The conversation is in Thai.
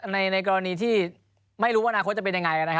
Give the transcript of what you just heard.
ในกรณีที่ไม่รู้ว่าณโค้ดจะเป็นยังไง